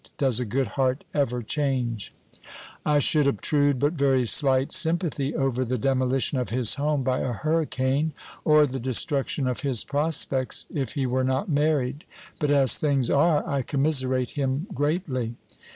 Does a good heart ever change ? I should obtrude but very slight sympathy over the demolition of his home by a hurricane, or the destruction of his prospects, if he were not married ; but as things are, I commiserate him greatly.